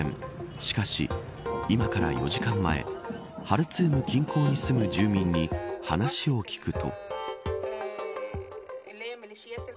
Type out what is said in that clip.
しかし、今から４時間前ハルツーム近郊に住む住民に話を聞くと。